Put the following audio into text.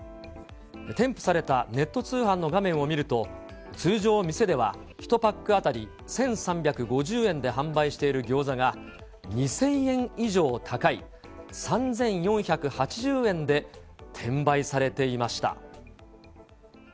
添付されたネット通販の画面を見ると、通常、店では１パック当たり１３５０円で販売しているギョーザが、２０００円以上高い３４８０円で転売されていました。